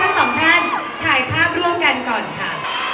สองท่านถ่ายภาพร่วมกันก่อนค่ะ